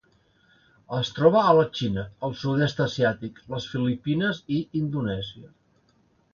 Es troba a la Xina, el Sud-est asiàtic, les Filipines i Indonèsia.